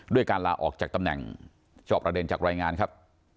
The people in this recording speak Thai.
การลาออกจากตำแหน่งจอบประเด็นจากรายงานครับ